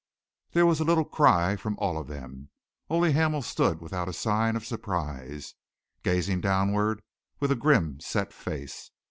There was a little cry from all of them. Only Hamel stood without sign of surprise, gazing downward with grim, set face.